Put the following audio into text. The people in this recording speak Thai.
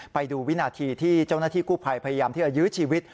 ไปดูวินาทีที่เจ้าหน้าที่กู้ภัยพยายามที่จะยื้อชีวิต